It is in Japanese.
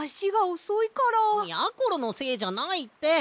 やころのせいじゃないって！